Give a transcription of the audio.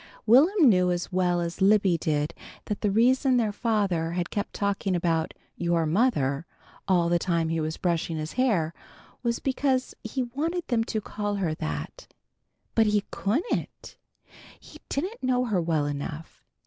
Will'm knew as well as Libby did that the reason their father had kept talking about "your mother" all the time he was brushing his hair, was because he wanted them to call her that. But he couldn't! He didn't know her well enough.